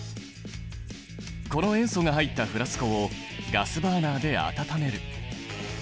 この塩素が入ったフラスコをガスバーナーで温める。